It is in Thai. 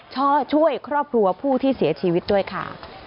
ช่วยครอบครัวผู้ที่เสียชีวิตด้วยค่ะ